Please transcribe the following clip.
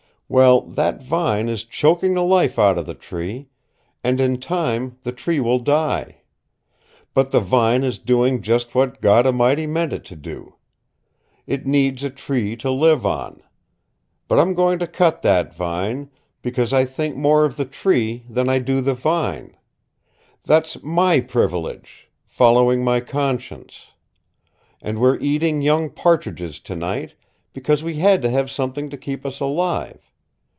Well, that vine is choking the life out of the tree, and in time the tree will die. But the vine is doing just what God A'mighty meant it to do. It needs a tree to live on. But I'm going to cut the vine, because I think more of the tree than I do the vine. That's MY privilege following my conscience. And we're eating young partridges tonight, because we had to have something to keep us alive.